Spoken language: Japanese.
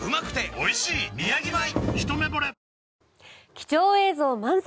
貴重映像満載！